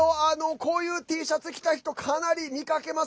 こういうＴシャツを着た人かなりみかけます。